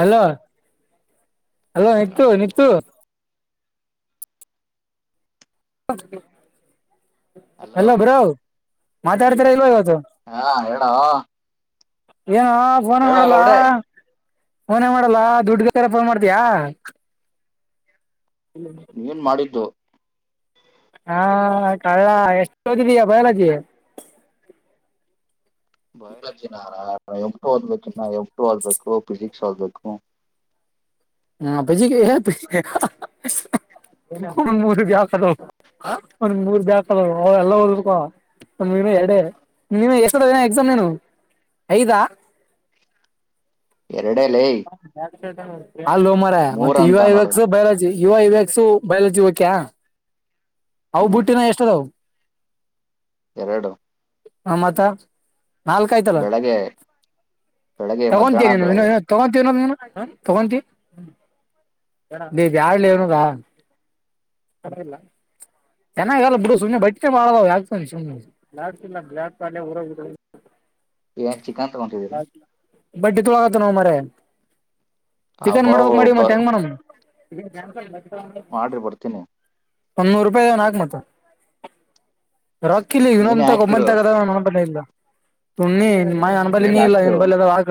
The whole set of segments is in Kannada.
hello hello Nitu Nitu hello ಎಲ್ಲ ಬ್ರಾವ್ ಮಾತಾಡ್ತರ ಇಲ್ವ ಇವತ್ತು ಹಾ ಹೇಳ ಏನ ಫೋನ್ ಮಾಡಲ ಫೋನ್ ಏನ್ ಮಾಡಲ್ಲ ದುಡ್ದ ತರ ಫೋನ್ ಮಾಡ್ತಯಾ ನೀವ ನ್ ಮಾಡಿದ್ದು ಹಾ ಕಳ್ಳ ಎಷ್ಟುಓದಿದಯ ಬಯಲಜಿ ಬಯಾಲಜಿನಾರ ಎು ಓದ್ಬೇಕನ್ನ ಎಷ್ಟಟು ಓದಬೇಕು ಫಿಸಿಕ್ಸ್ ಓದಬೇಕು ಹ್ಮ ಬಜಿ ಅವನ್ ಮೂರ್ ಬ ಹಾಕದ ಅವನ್ ಮೂರ್ ಬ ಹಾಕದ ಅವ ಎಲ್ಲ ಹೋದಬೇಕಕ ನೀ ಎರಡೆ ನೀನು ಎಷ್ಟ ಎಕ್ಸಾಮ್ ಏನು ಐದಾ [inaudible] ಎರಡಲೇ ಅಲ್ಲೋ ಮರ ಮತ್ತೆ ಇವ ನೋಡು ಇವಕ್ಸು ಬಯಲಜಿ ಇವ ಇವಕ್ಸು ಬಯಲಜಿ ಹಕ್ಯ ಅವು ಹ್ಮ್ ಬುಟ್ಟಿನ ಎಷ್ಟ ಅದಾವ ಎರಡು ಹ ಮಾತಾ ನಾಲ್ಕ ಆಯ್ತಲ್ಲ ಬೆಳಗ್ಗೆ ಬೆಳಗ್ಗೆ ಮಧ್ಯಾಹ್ನ ತಗೊಂತೀವಿ ಬೆಳಗ್ಗೆ ತಗೊಂತೀ ತಗಂತೀ ನೀವು ಯಡು ಲೇವನುರಾ ಅರಲ್ಲ [inaudible] ಚೆನ್ನಾಗಲ್ಲ ಬಿಡು ಸುಮ್ಮನೆ ಬಟ್ಟ ಮಾಡ ಆಗ್ತ ಸನೆ [inaudible] ಹ [inaudible] ಏನ್ ಚಿಕನ್ ತಗೊಂಡಿದ್ದೀರ ಬಟ್ ಇತ್ ಆಾಗತ ನ ಮರ ಚಿಕನ್ ಅಬ್ಬಾ ಮಾಡವಕ್ ಮಾಡಿ ಒಬ್ಬ ಮತ್ತೆ ಹೆಂಗ ಮಣಮ್ ಇ ಜ ಮಾಡ್ರಿ ಬರ್ತೀನಿ ಒನ್ನೂರು ರೂಪಾಯಿವನ್ ಹಾಕ್ ಮತ ರೊಕ್ಕ ಇಲ್ಲಿ ನೀನೇ ಇನ್ನೊಂತ ಹಾಕಿರು ಒಬ್ಬಂತಗದ ನ ನೋಬ ಇಲ್ಲ ತುಣ್ಣಿ ಮ ನನ್ನ ಬಳ ನೀ ಕೈಯಲ್ಲಿ ಇಲ್ಲ ಹಾಕ್ಸು ನಿನ್ ಬಳಿ ಅದ ಹಾಕ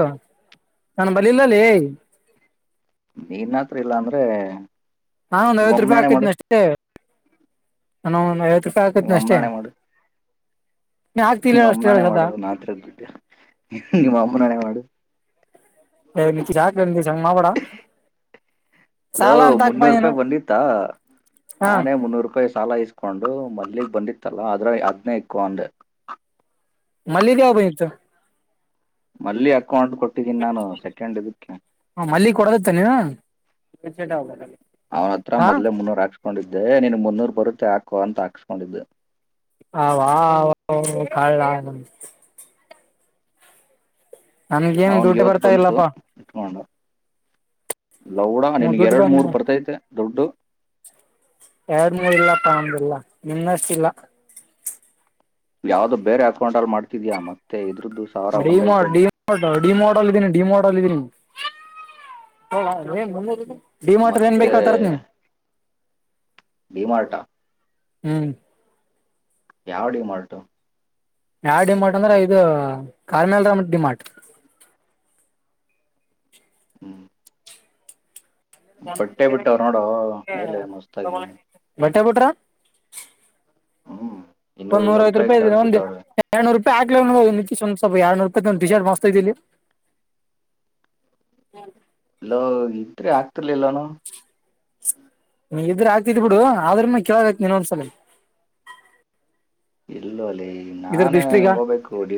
ನನ್ನ ಬಲಿ ಇಲ್ಲಲ್ಲಿ ನೀನ್ತ್ರ ಇಲ್ಲಾ ಅಂದ್ರೆ ನಾ ಒಂದ್ ನಿಮ್ಮ ಐವತ್ತು ರೂಪಾಯಿ ಅಮ್ಮನಾಣೆ ಮಾಡು ಹಾಕೈತಿನ ಅಷ್ಟೇ ನ ಒ ಐವತ್ತು ಕೃಪಾಯ ನಿಮ್ಮ ಆಕತ್ನ ಅಷ್ಟೇ ನೀ ಹಾಕ್ತಿಲ್ಲ ನಿ್ ಅಷ್ಟೇ ಹೇಳ ಅಮ್ಮನಾನೇ ಸದಾ ಮಾಡುದು ನಾತ್ರ ಗುಡ್ಡ ನಿಮ್ಮ ಅಮ್ಮನಾನೇ ಮಾಡು ಚಾಕ್ಂದ ಮಾವಡ ಅಲೋ ಮುನ್ನೂರು ರೂಪಾಯಿ ಬಂದಿತ್ತ ಹಾ ನಾನೇ ಮುನ್ನೂರು ರೂಪಾಯಿ ಸಾಲ ಇಸ್ಕೊಂಡು ಮಲ್ಲಿಗ್ ಬಂದಿತ್ತಲ್ಲ ಆದ್ರ ಅದ್ನೇ ಇಕ್ಕು ಅಂದೆ ಮಲ್ಲಿಗೆಾವ ಬಯತ್ತು ಮಲ್ಲಿಿ ಅಕೌಂಟ್ ಕೊಟ್ಟಿದ್ದೀನಿ ನಾನು ಸೆಕೆಂಡ್ ಇದಕ್ಕೆ ಲ್ಲ [inaudible] ಅವನತ್ರ ಮೊದ್ಲೆ ಮುನ್ನೂರ್ ಹಾಕ್ಸ್ಕೊಂಡಿದ್ದೆ ನೀನ್ ಮುನ್ನೂರ್ ಬರುತ್ತೆ ಹಾಕೋ ಅಂತ ಹಾಕ್ಸ್ಕೊಂಡಿದ್ದೆ ಹ ವ ಕಳ ನ [inaudible] ನನ್ಗೇನ್ ಅವನ್ಗೆ ದುಡ್ಡು ಇವತ್ ಬರ್ತಾ ಬಂತು ಇಲ್ಲಪ್ಪಾ ಇಟ್ಕೊಂಡು ಲೌಡ ಹ್ಮ ನಿನ್ಗೆ ದುಡ್ಡು ಎರಡು ಬಂದ ಮೂರ್ ಬರ್ತೈತೆ ದೊಡ್ಡು ಇಲ್ಲಪ್ಪ ಅಂದಿಲ್ಲ ನಿನ್ನಷ್ಟಿಲ್ಲ [inaudible] ಯಾವ್ದು ಬೇರೆ ಹತ್ಕೊಂಡ್ರ ಮಾಡ್ತಿದ್ಯಾಾ ಮತ್ತೆ ಇದು ಡಿ ಡಿ ಡಿ ಮಾಡೋಲ್ ಇದೀನಿ ಡಿ ಮಾಡೋಲ್ ಇದೀನಿ ಡಿಮೋಟರ್ ಏನ್ ಮತ್ತೆ ಬೇಕತರತ್ ನೀ [inaudible] ಡಿ ಮಾರಟಾ ಹ್ಮ್ ಯಾವ ಡಿ ಮಾರ್ಟ್ ಯಾವ ಡಿಮಾರ್ಟ್ ಅಂದ್ರೆ ಇದು ಕ್ಮೆಲ್ ರಾಮ ಡಿಮಾರ್ಟ್ ಹ್ಮ್ ಬಟ್ಟೆ ಬಿಟ್ಟವ್ರ ನೋಡೋ ಮೇಲೆ ಮಸ್ತಾಗಿ ಬಟ್ಟೆ ಬಿುಟ್ರ [inaudible] ಹ್ಮ್ ಒಂದ ಇನ್ನೂರ್ ಇನ್ನೂರ್ ನೂರವ ರೂಪಾಯಿ ರೂಪಾಯಿದೆ ಶರ್ಟ್ ಒಂದು ಬಿಟ್ಟವ್ರೆ ಎರಡುೂ ರೂಪಾಯಿ ಹಕ್ ನಿಿ ಒ ಸ್ವಲ್ ಎರಡ್ೂರುಾಯಿ ಟಿ ಶರ್ಟ್ ಮಾಸ್ತ ಇಲ್ಲಿ [inaudible] ಇಲ್ಲೋ ಇದ್ರೆ ಆಗ್ತಿರ್ಲಿಲ್ಲಾನ ನೀ ಇದ್ರೆ ಆಗ್ತಿದ ಬಿಡು ಆದ್ರ್ಮ ಕೆೇಾಗತಿ ನೀನ್ೊಂದ್ಸಲ ಎಲ್ಲೋ ಅಲ್ಲಿ ಇದ್ರದ್ದ ಹಿಸ್ಟ್ರಗ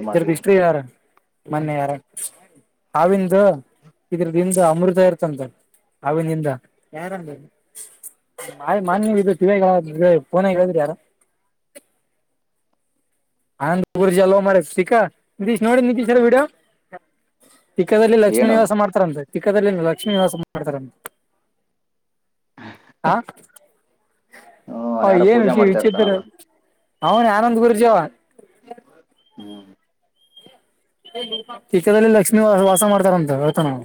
ಇದ್ರದ ಹಿಸ್ಟ್ರಿ ಯಾರ ಮೊನ್ನೆ ಯಾರ ಹಾವಿಂದ [inaudible] ಇದ್ರದಿಂದ ಅಮೃತ ಇರ್ತಂತ ಅವಿನಿಂದ ಯಾರಂದ ಮಾಯ ಮಾನ್ಯವ ಇಿವಗ ಪೋನದ್ರಿ ಯಾರ [inaudible] ಆನಂದ ಗುರ್ ಜಲ್ ಮರ ಸಿಕ್ಕಾ ನಿತೀಶ್ ನೋಡಿ ನಿತೀಶ್ರ ವಿಡಿಯೋ ಚಿಕ್ಕದಲ್ಲಿ ಲಕ್ಷ್ಮೀ ಏನು ನಿವಾಸ ಮಾಡ್ತಾರಂತೆ ಚಿಕ್ಕದಲ್ಲಿ ಲಕ್ಷ್ಮೀ ನಿವಾಸ ಮಾಡ್ತಾರಂತೆ ಹಾ ಅವನು ಹ ಯಾರೋ ಪೂಜೆ ಏನುಚಿ ಮಾಡ್ತಾ ವಿಚತ್ರರ ಇರ್ತಾನಲ್ಲ ಅವನ ಆನಂದ್ ಗುರುಜಿ ಚೀಕ್ಕದಲ್ಲಿ ಲಕ್ಷ್ಮೀ ವಾಸ ಮಾಡ್ತಾರಂತ ಹೇಳ್ತ ನಾವು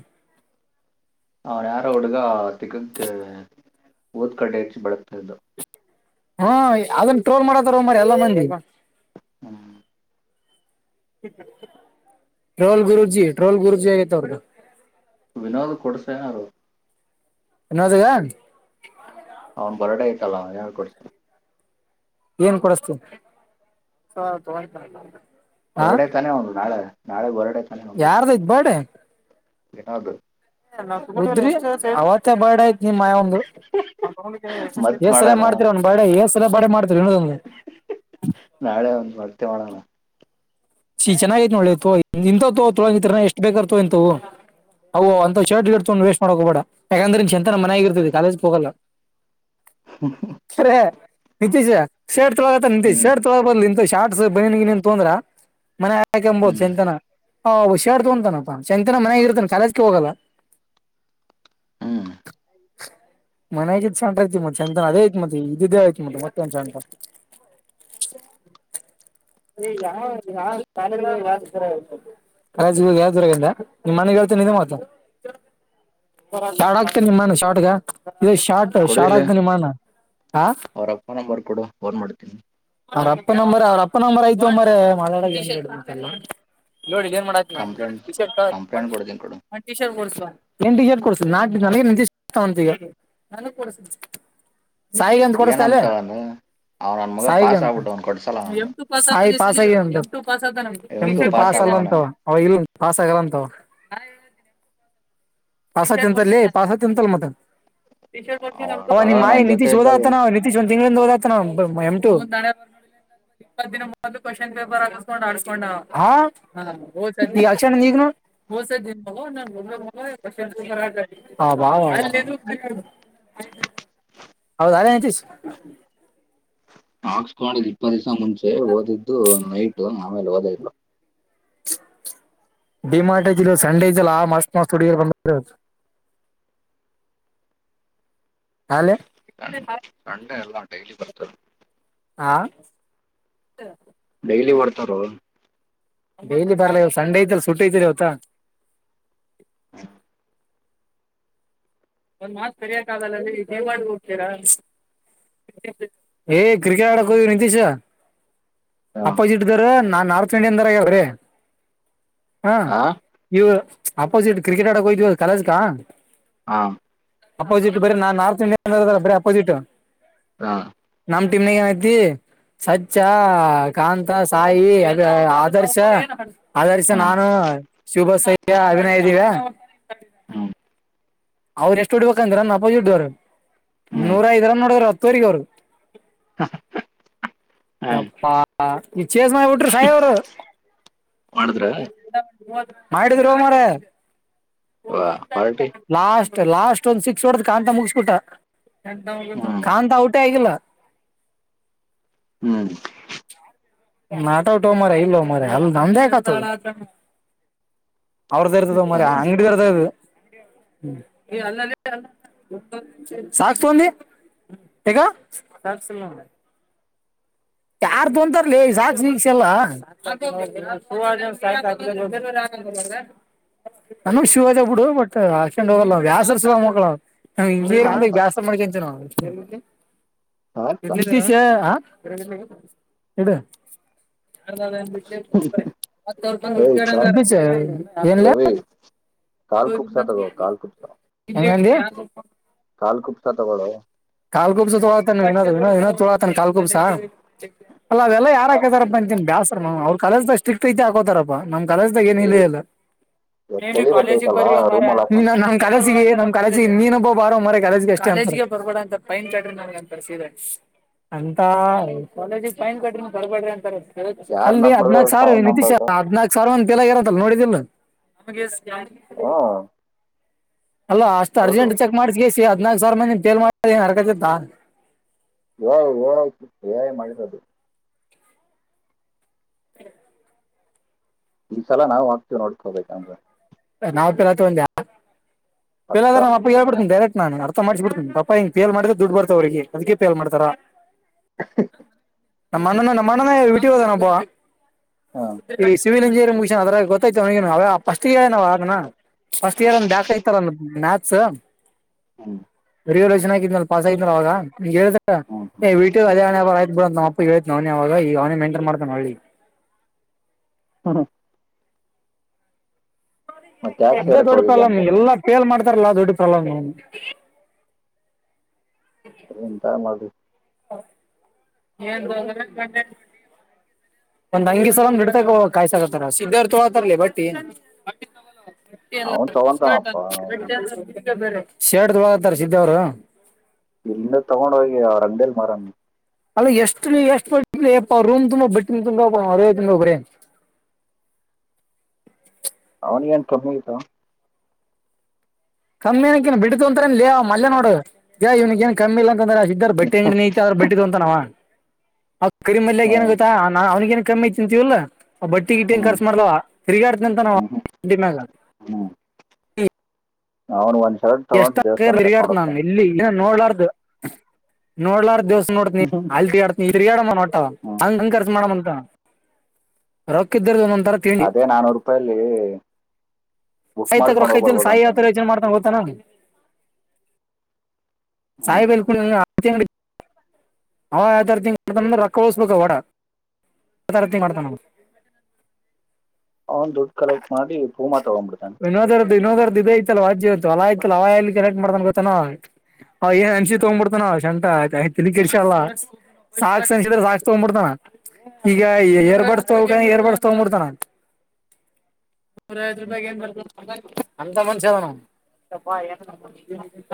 ಅವ್ನ್ ಯಾರ ಹುಡುಗ ತಿಗಕ್ ಓದ್ ಕಡೆ ಹೆಚ್ಚಿ ಬಳಗ್ತ್ದ ಹಾ ಅದನ್ನ ಟ್ರೋಲ್ ಮಾಡತೋಲ್ ಮಾಡಿ ಎಲ್ಲ ಮಂದಿ ಟ್ರೊಲ್ ಗುರುಜಿ ಟ್ರೋಲ್ ಗುರುಜಿ ಆಗತ ಅವ್ರಗ ವಿನೋದ್ ಕೊಡ್ಸನಾರು ವಿನೋದ್ ಅವ್ನ್ ಬರಟ ಆಐ್ತಲ್ಲ ಯಳ್ ಕೊಡ್ತ ಏನ್ ಕೊಡಸ್ತೀ ಬರ್ಡೆ ತಾನೇ ಒಂದು ನಾಳೆ ನಾಳೆ ಬರ್ಡೆ ಯಾರ್ದು ಇದ್ಬಾಡ ಏನದು [inaudible] ಮ ಬಡ ಆಯ್ತ್ ಮತ್ ನಿಯಸ ಮಾಡೋಣ ಮಾಡ್ತಿ ಬ ಬ ಮಾಡ ತ [inaudible] ತ್ತ ಮಾಡಳ [inaudible] ಚೆನ್ನಾಗೈತೆ ನೋಡತ ಇಂತ ತೊಳಿ ಎಷ್ಟ್ ಬೇಕತೋ ಇಂತವು ಅಓ ಅಂತ ಶರ್ಟ್ ಗಡ್ೊಂಡ್ ವೇಸ್ ಮಾಡಕ ಹೋಗಬೇಡ ಯಾಕಂದ್ರ ಇ ಚ ಎಂತನ ಮನೆ ಆಗಿರ್ತದೆ ಕಾಲೇಜಗೆ ಹೋಗಲ್ಲ ಖರೆ ಹ ನಿತೀಶ್ ಶರ್ಟ್ ತೊಳಗತ್ತ ನಿತೀಶ್ ಹ್ಮ್ ಶರ್ಟ್ ತೊಳಗ ಬಾರ್ ಇಂತ ಶಾರ್ಟ್ ಬನಿಗೆ ನೀನ್ ತೊಂದ್ರ ಮನೆ ಆಕ ಎಂಬೋದು ಚ ಹ್ಮ್ ಎಂತಾನ ಹ ಹುಷಿಯಾರ್ಡ್ತೊತನಪಾ ಶಂತನ ಮನಯಾಗಿರ್ತಾನ ಚಾಲಜಕ ಹೋಗಲ್ಲ ಹ್ಮ್ ಮನಗ ಸಂಟ ಆಐತಿ ಮತ್ತೆ ಸಂತನ್ ಅದೇ ಆಯ್ತ್ ಮತ್ತ ಇದಿದ್ದೇ ಆಯ್ತ್ ಮತ್ತ ಮತ್ತೆ ಸಂಟ ಯಾವ ಯಾ ಶಾಲ ಯಾರ ಕಳೇಜಿಗೆ ಹೋಗ ಯಾವ್ದರಾಗಿಿಂದ ನಿಮ್ಮ್ ಮನೆಗ್ ಹೇಳ್ತ ನಿಜ ಮಾತ ಶಾರಟ್ ಆಕ್ತನ ನಿಮ್ಮನ್ ಶಾರಟ್ಗ ಇ ಶಾರ್ಟ್ ಕೊಡು ಶಾರ್ಟ್ ಇಲ್ಲಿ ಆಗ್ತನಿಮ್ಮಾನ ಹ ಅವ್ರ ಅಪ್ಪ ನಂಬರ್ ಕೊಡು ಫೋನ್ ಮಾಡ್ತೀನಿ ಅವ್ರಪ್ಪನಂಬರ ಅವ್ರಪ್ಪನಂಬರ್ ಆಯ್ತು ಅಂಬ ನೋಡಿ ಏನ್ ಮಾಡಾತಿ ನಾೇ ಕಂಪ್ಲೇಂಟ್ ಕಂಪ್ಲೇಂಟ್ ಕೊಡ್ತೀನಿ ಕೊಡು ಟೀ ಶರ್ಟ್ ಕೊಡ್ಸ ಏನ್ಟಿ ಶರ್ಟ್ ಕೊಡ್ಸಾ ಇಂತ ಈಗ ನಾನು ಕಡಸಿದ್ದ ಏನಂತನು ಅವನನ್ ಮಗ ಪಾಸ್ ಆಗ್ಬಿಟ್ಟು ಅವ್ನು ಕೊಡ್ಸಲ್ಲ ನಾನು ಹ ಪಸ್ ಆಗಂಮ ಎಮ್ ಟು ಪಾಸ್ ಪಸ್ ಆಗೋವನ ಅಲ್ಲಂತ ಅವ ಇಲ್ಲ ಪಾಸ್ ಆಗಲ್ಲಂತ ಆವಾ ಪಾಸ ತಿಂತಲ್ಲ ಪಾಸ ತಿಂತಲ್ಲ ಮತ್ತ ಅವ್ ನನ್ ಮಗ ಮಾಯ ನನ್ ನೀತಿಶ ಜೊತೆ ಶೋದ ಇದ್ದಾಗ ನ ನಿತಿಶ ತಿಂಗಳಿಂದ ಹೋದತ ನ ಎಂ ಟ ಇಪ್ಪತ್ ದಿನ ಮೂವತ್ತು ಕ್ವೆಶ್ಚನ್ ಪೇಪರ್ ಹಸ್ಕೊಂಡ್ ಆಡ್ಸ್ಕೊಂಡ ನೀಗನು ಹೊಸ ನಾನ ಬೊ ಹಾಾ [unintelligible] ಹೌದ ಅದೇ ನಿಂತ ಹಾಕ್ಸ್ಕೊಂಡಿದ್ದ್ ಇಪ್ಪ ದಿವಸ ಮುಂಚೆ ಓದಿದ್ದು ನೈಟ್ ಆಮೇಲೆ ಓದೇ ಇಲ್ಲ ಡಿ ಮಾರ್ಟ ಸಂಡೇ ಐತಿಲ್ಲ ಮಸ್ತ್ ಮಸ್ತ್ ಹುಡುಗಿಯರು [inaudible] ಹಾಲೆ ಸ ಸಂಡೆ ಎಲ್ಲಾ ಡೈಯಲಿ ಬರ್ತ ಹಾ ಡೈಲಿ ಮಾಡ್ತಾರ ಡೈಲಿ ಬರಲ್ಲ ಇ ಸಂಡೆ ಐತಲ್ಲ ಸುಟ್ಐತಿರಿ ಅವವತ ಹ ಒಂದ್ ಮಾತ ಕರಿಯಕ್ ಆಗಲ್ಲೀ ದೇವವಾಡಗೆ ಹೋಗ್ತೀರಾ ಕ್ರಿಕೆಟ್ ಅಡಕ ಹೋಗಿ ನೀತೀಶ ಹಾ ಅಪೋಸಿಟ್ ದಾರ ನಾ ನಾರ್ತ್ ಇಂಡಿಯನ್ ದಾರಗ್ಯ್ರೀ ಹಾ ಇವು ಅಪೋಸಿಟ್ ಕ್ರಿಕೆಟ್ ಆಡಕ್ ಹೋಗತವಿ ಕಲೇಜಕ ಹಾ ಅಪೋಸಿಟ್ ಬರೀ ನಾ ನಾರ್ತ್ ಇಂಡಿಯಾನ್ದ ಬರೀ ಅಪೋಸಿಟ್ ಹಾ ನಮ್ ಟೀಮ್ ಆಡತಿ ಸಚ್ಚ ಕಾಂತ ಸಾಯಿ ಅದ ಆದರ್ಶ ಅರಿಸಸ ಹಾ ನಾನು ಶಿವಭಾಸ್ ಅಯ್ಯ ಅಭಿನಯ ಇದ್ದೀ ಹಾ ಅವ್ರ ಎಷ್ಟು ಹಡ್ಬೇಕಂದ್ರ ನ ಅಪೋಜಿಟ್ ದವರ ಹ್ಮ್ ನೂರ ಐದರ ನೋಡರು ಹತ್ತುವರೆಗ ಅವ್ರು ಹ್ಮ್ ಯಪ್ಪಾ ಈ ಚೇಸ್ ಮಾಡ ಬಿಟರು ಸಹ ಅವರು ಮಾಡಿದ್ರ ಮಾಡಿದ್ರೋ ಮಾರಯಾ ವಾ ಪಾರ್ಟಿ ಲಾಸ್ಟ್ ಲಾಸ್ಟ್ ಒಂದ್ ಸಿಕ್ಸ್ ಹೊಡ್ದ್ ಕಾಂತ ಮುಗಸ್ಬಿಟ್ಟ ಹ್ಮ್ ಕಾಂತಾ ಔಟೇ ಆಗಿಲ್ಲ ಹ್ಮ್ ನಾಟ್ ಔಟ್ ಒ ಮಾರಾಯ ಇಲ್ಲ ಮಾರಾಯ ಅಲ್ಲ ನಮ್ದೇ ಯಾಕ ಆತದ ಅವ್ರದ್ದ ಇರ್ದ ಬಿಟ್ಟ ಮರಿ ಅಂಗಡಿಗರ್ದ ಇದು ಸಾಕ್ತೊಂಡಿ ಯಾಕ ಯಾರ್ ತೊಂತರ್ಲಿ ಸಾಕ್ ಶಿಕ್ಷಎಲ್ಲ ನನ್ನು ಶೂ ಅದವ ಬಿಡು ಬಟ್ ಹಾಕಂಡ್ ಹೋಗಲ್ಲ ವ್ಯಾಸರ್ಸಲ ಮಕ್ಕಳ ಸಾಕ್ತ ಬ್ಯಾಸ ಮಾಡಕತಿನವು ಸಾಕ್ತ ನಿತೀಶ ಇಡ ಹೇಯ್ ಸಾಕ್ ನಿತೀಶ ಏನ್ಲಾ ರವಿ ಕಾಲ್ ಕುಪ್ಸ ತಗೋ ಕಾಲ್ ಕುಪ್ಸ ಏನಂದಿ ಕಾಲ್ ಕುಪ್ಸ ತಗೋಳುವ ಕಾಲ್ ಕುುಬ್ಸ ತೊಳಾತಾನ ವಿನೋದ ಇನ್ ತೊಳಾತಾನ ಕಾಲ್ಕುಬ್ಸಾ ಅಲ್ಲ ಅವೆಲ್ಲ ಯಾರ ಕಾಲ್ ಹಾಕತಾರಪ್ಪ ಅಂತಿನ್ ಬ್ಯಾಸಸ್ ಅವ್ರ ಕಾಲ ಸ್ರಿಕ್ ಐತಿ ಹಾಕತಾರಪ್ಪ ನಮ್ಮ್ ಕಲ್ದಾಗ ಏ ಏನಲ್ಲ ಇವತ್ ನಮ್ ಚಳಿ ಬರ್ತೈತಲ್ಲ ರೂಮಲ್ಲಿ ಹಾಕೊಂಡ್ ಕಾಲೇಜಿಗೆ ನೀನೊಬ್ಬ ಬಾರೋ ಮಾರಾಯ ಕಾಲೇಜಿಗೆ ಅಷ್ಟೇ ಫೈನ್ ಕಟ್ರಿ ನನ್ಗೆ ಅಂತ ಸೀ ಅಂತ ಕಾಲೇಜ ಫೈನ್ ಕಟ್ರಿ ಕರ್ಬೇಡ್ರಿ ಅಂತಾರ ಯಾರ್ ಅಲ್ಲಿ ನಂಬಿದ್ರು ಹದ್ನಾಕ್ ಸಾವಿರ ಸಾಯಿ ನಿತೀಶ ನಂಬಲ್ರು ಹದ್ನಾಕ್ ಸಾವಿರ ಮಂದಿ ಫೇಲಾಗಿರ ನೋಡಿ ಇಲ್ಲ ಹಾ ಅಲ್ಲ ಅಷ್ಟು ಅರ್ಜೆಂಟ್ ಚೆಕ್ ಮಾಡ್ಸಸ ಹದ್ನಾಕ್ ಸಾವಿರ ಮಂದಿ ಪೇಲ್ ಮಾಡ ಹರಕತಿತ್ತ ಏಯ್ತು ಏ ಮಾಡಿರೋದು ಈ ಸಲ ನಾವು ಹಾಕ್ತೀವಿ ನೋಡ್ಕೋಬೇಕಂಗ ನಾವ ಪರತ್ ಒಂದ್ಯಾ ಪಕ್ಕ ಫೇಲಾದ್ರ ನಮ್ಮಪ್ಪ ಹಳ್ ಬಿಡ್ತನ ಡೆರೆಕ್ಟ್ ನಾನ್ ಅರ್ಥ ಮಾಡ್ಬ ಬಿಡ್ತೀನ ಪಪಾ ಹಿಂಗ ಪೇಲ್ ಮಾಡ್ರ ದುಡ್ ಬರ್ತಾವ ಅವ್ರಿಗೆ ಅದಕ್ಕೆ ಪೇಲ್ ಮಾಡ್ತಾರ ನಮ್ಮಣ್ಣ ನಮ್ಮಣ್ಣನ ಯೂಟ್ಯೂಬ ಅದನ್ನು ಒಬ್ಬವ ಹ್ಮ್ ಸಿವಿಲ್ ಇಂಜಿನಿಯ ಮುನ್ ಅದ್ರಾಗ ಗೊತ್ತೈತನ ಫಸ್ಟ್ ಹೇಳಣ್ಣ ನ್ ಫಸ್ಟ್ ಒಂದ ಬ್ಯಾಕ್ ರ ಮ್ಯಾಕ್ಸ್ ಹ್ಮ್ ರಿ ಚನಾಗಿದ್ನ ಪಾಸ್ ಆನ ಅವಾಗ ಹೇಳ ಹ್ಮ್ ಹ್ಮ್ ಯು ಟ್ಟು ಅದೇ ಹೆ ಆಯ್ತ್ ಬಿಡ ನ ಹೇಳನ ಅವನ ಅವಾಗ ಈಗ ಅವನೇ ಮೇಂಟೈನ್ ಮಾಡ್ತಾನ ಹಳ್ಳಿ ಹ್ಮ ಮತ್ತೆ ಯಾಕೆ ಅದೇ ಸೇರಕ್ ದೊಡ್ಡ ಹೋಗಿದೆ ಪ್ರಲಮ್ ಅಂತ ನೀವು ಎಲ್ಲಾ ಪೇಲ್ ಮಾಡ್ತಾರಲ್ಲಾ ದೊಡ್ಡ ಪ್ರಲಮ್ ಅ ಎಂತ ಮಾಡ [unintelligible] ಒಂದ್ ಅಂಗಿ ಸಲ ಬಿಡ್ತಕ ಕಾಯಿ ಸಾಕತಾರ ಸಿದ್ದರ್ ತೊತರ್ಲಿ ಬಟ್ಟಿ ಅವನ್ ತಗೊಂತಾನಪ್ಪ ಶರ್ಟ್ ತೋಳತ್ತಾರ ಸಿದ್ದ ಅವರು ಇಲ್ಲಿಂದ ತಗೊಂಡ ಹೋಗಿ ಅವ್ರಅಂಗಡಿಲಿ ಮರಮ್ ಅಲ್ಲ ಎಷ್ಟು ಎಷ್ಟು ಲೆ ಪ್ಪಾ ರೂಮ್ ತುಂಬಾ ಬಟ್ಟ ತು ಅದ ತುಂಗೋಗ್ರಿ ಬರೆ [inaudible] ಅವನಿಗ ಏನ್ ಕಮ್ಮಿ ಆಯಿತೋ ಕಮ್ಮಿ ಅನಕ್ಕಕೆನ್ ಬಿಡ್ತು ಅಂತ ಮಲ್ಲ ನೋಡು ಇವನಿ ಏನ್ ಕಮ್ಮಿ ಇ ಅ [unintelligible] ಕರಿ ಮಲ್ಯ ಏನ್ ಹ್ಮ್ ಗೊತ್ತಾ ಅವ್ಗೆ ಏನ್ ಕಮ್ಮಿ ಐತಿಂತೀವಲ್ಲಾ ಬಟ್ಟಿ ಗಿಟ್ಟಿಂಗ ಹ್ಮ್ ಕರ್ಸ ಮಾಡಲವ ತಿರ್ಗಾಡ್ತನ ಅಂತ ಹ್ಮ್ ನಾವಡಿಮಾಗ ಹ್ಮ್ [unintelligible] ಎಷ್ಟ ದೇವಸ್ಥಾನಕ್ಕೆ ತಿಗಾತ ಹಾಕೊಂಡ್ ನಾನು ಹೋಗ್ತಾನೆ ಇಲ್ಲಿ ನೋಡ್ಲಾರ್ದ ನೋಡ್ಲಾರ ದಿವಸ್ ಹ್ಮ್ [unintelligible] ರಕ್ ಇ್ದರ ತನ ಅದೇ ನಾನೂರು ರೂಪಾಯಿಲ್ಲಿ ಬುಕ್ ಸಾಯ್ತಾಗ ಮಾಡ್ಕೊಂಡ ರೊಕ್ಕ ಹೋಗ್ ಐತಿಲ್ಲ ಸಾಯಿ ಯಾವ ಬರ್ಬೋದಂತಾನ ತರ ಯೋಚನೆ ಮಾಡ್ತಾನ ಸಹಿಬಲ್ ಕುಣ ಆತ್ಯಂಗ ಅವ ಯಾವತರ ತಿಂಗ್ ಆತಾನಂದ್ರ ರೊಕ್ಕ ಳಸ್ಬೇಕ ಹೊಡ ಹ ರತಿ ಮಾಡ್ತಾನ ಅವ್ನು ದುಡ್ಡು ಕಲೆಕ್ಟ್ ಮಾಡಿ ಪೂಮಾ ತಗೊಂಡ್ಬಿಡ್ತಾನೆ ಇನ್ನೋದರದ್ದು ಇನ್ನೋದರದ್ದು ಇದ ಐತಲ್ಲ ವ್ಜತ್ತು ಅಲ ಆಯ್ತು ಅವಲ್ಲಿ ಕೆಕ್ ಮಾಡ್ದ ಗೊತ್ತಾನ [unintelligible] ಸಾಕಕ್ಷ ಅಸಿದ್ರೆ ಸಾಕ್ಷ ತಗೊಂಡ್ ಬಿಡ್ತಾನ ಈಗ ಏರ್ ಬಡಸ್ತ ಏರ್ ಬಡಸ್ತೋಗ್ಬಡ್ತಾನ ನೂರ ಐವದು ರೂಪಾಯ ಬರ್ತ ಅಂತ ಮನಷ್ಯ ಅದನವ್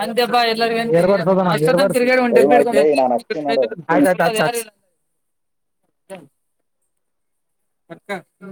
ಅಂದೆಪ್ಪಾ ಎಲ್ಲಗ ಇರ್ಬೋಡ್ಸ್ ತಿರ್ಗಡ ಟೈಮ್ ಆಯ್ತಲೇ ಒಬಿಡ್ ನಾನು ಹಚ್ತೀನಿ ನೋಡು [inaudible] ಎಕ್ಕ